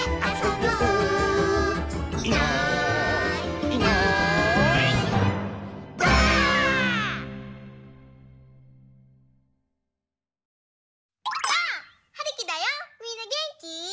ばあっ！はるきだよみんなげんき？